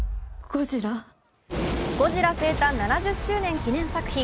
ゴジラ生誕７０周年記念作品。